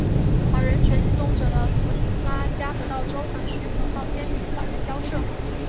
而人权运动者的弗拉加得到州长许可到监狱与犯人交涉。